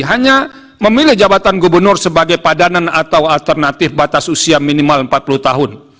hanya memilih jabatan gubernur sebagai padanan atau alternatif batas usia minimal empat puluh tahun